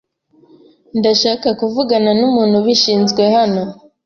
Ndashaka kuvugana numuntu ubishinzwe hano.